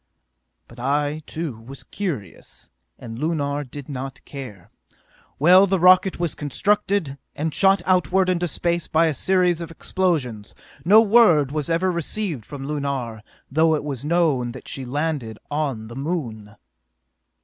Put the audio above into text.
"But I, too, was curious, and Lunar did not care. Well, the rocket was constructed, and shot outward into space by a series of explosions. No word was ever received from Lunar, though it was known that she landed on the Moon!